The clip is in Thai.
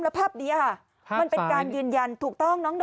แล้วภาพนี้ค่ะมันเป็นการยืนยันถูกต้องน้อง